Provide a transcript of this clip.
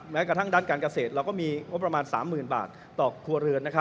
แม้กระทั่งด้านการเกษตรเราก็มีงบประมาณ๓๐๐๐บาทต่อครัวเรือน